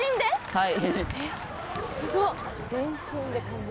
はい。